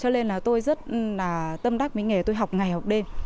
cho nên là tôi rất là tâm đắc với nghề tôi học ngày học đêm